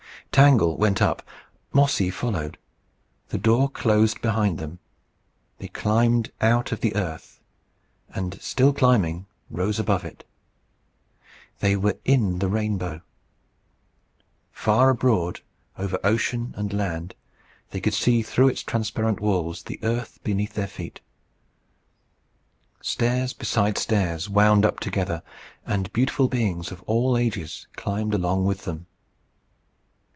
Tangle went up. Mossy followed. The door closed behind them. They climbed out of the earth; and, still climbing, rose above it. They were in the rainbow. Far abroad, over ocean and land, they could see through its transparent walls the earth beneath their feet. Stairs beside stairs wound up together, and beautiful beings of all ages climbed along with them.